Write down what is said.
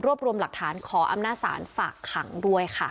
รวมรวมหลักฐานขออำนาจศาลฝากขังด้วยค่ะ